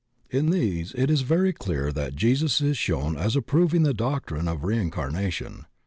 In these it is very clear that Jesus is shown as ap proving the doctrine of reincarnation.